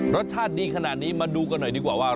รสชาติดีขนาดนี้มาดูกันหน่อยดีกว่าว่า